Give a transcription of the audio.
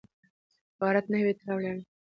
عبارت نحوي تړاو لري.